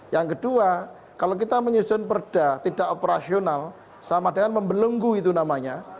yang kedua kalau kita menyusun perda tidak operasional sama dengan membelenggu itu namanya